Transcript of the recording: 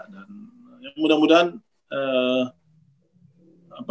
bakat dia luar biasa